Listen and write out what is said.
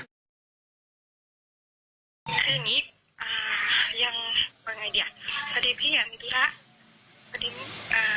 เขาเรียกรายงานตัวนี่ขอเคลียร์ทางนี้ก่อนนะ